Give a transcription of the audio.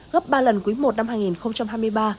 gấp ba lần quý i năm hai nghìn hai mươi ba